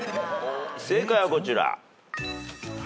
正解はこちら。